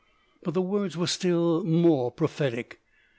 But the words were still more prophetic.